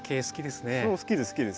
好きです好きです。